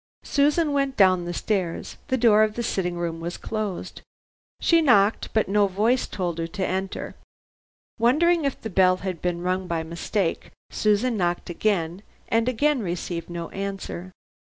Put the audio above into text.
Susan went down the stairs. The door of the sitting room was closed. She knocked but no voice told her to enter. Wondering if the bell had been rung by mistake, Susan knocked again, and again received no answer.